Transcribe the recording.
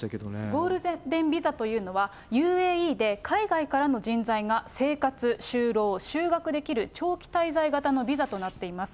ゴールデンビザというのは、ＵＡＥで海外からの人材が生活、就労、就学できる、長期滞在型のビザとなっています。